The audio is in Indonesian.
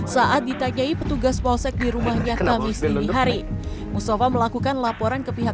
saat ditanyai petugas posek di rumahnya kami sendiri hari mustafa melakukan laporan ke pihak